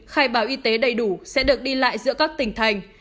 khai báo y tế đầy đủ sẽ được đi lại giữa các tỉnh thành